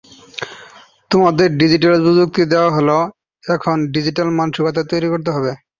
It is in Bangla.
তোমাদের ডিজিটাল প্রযুক্তি দেওয়া হলো, এখন ডিজিটাল মানসিকতা তৈরি করতে হবে।